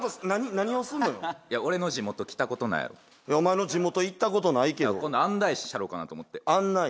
何をすんのよいや俺の地元来たことないやろお前の地元行ったことないけど今度案内したろかなと思って案内？